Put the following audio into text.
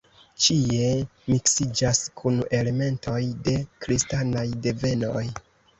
Ĉie miksiĝas kun elementoj de kristanaj devenoj.